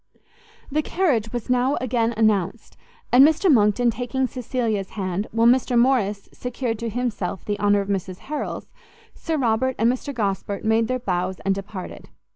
The carriage was now again announced, and Mr Monckton taking Cecilia's hand, while Mr Morrice secured to himself the honour of Mrs Harrel's, Sir Robert and Mr Gosport made their bows and departed.